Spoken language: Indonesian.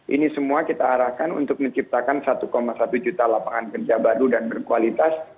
ini semua kita arahkan untuk menciptakan satu satu juta lapangan kerja baru dan berkualitas